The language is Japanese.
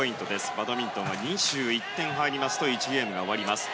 バドミントンは２１点入りますと１ゲームが終わります。